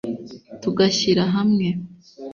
tugashyira hamwe